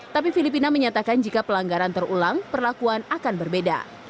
tapi filipina menyatakan jika pelanggaran terulang perlakuan akan berbeda